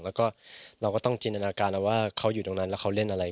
แล้วก็เราก็ต้องจินตนาการแล้วว่าเขาอยู่ตรงนั้นแล้วเขาเล่นอะไร